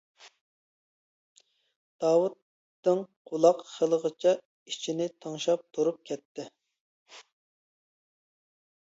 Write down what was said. داۋۇت دىڭ قۇلاق خېلىغىچە ئىچىنى تىڭشاپ تۇرۇپ كەتتى.